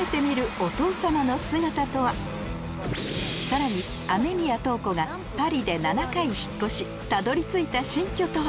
さらに雨宮塔子がパリで７回引っ越したどり着いた新居とは？